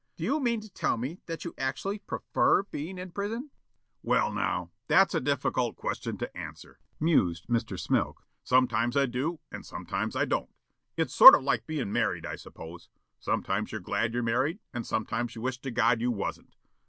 Do you mean to tell me that you actually prefer being in prison?" "Well, now, that's a difficult question to answer," mused Mr. Smilk. "Sometimes I do and sometimes I don't. It's sort of like being married, I suppose. Sometimes you're glad you're married and sometimes you wish to God you wasn't.